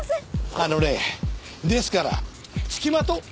あのねですからつきまと。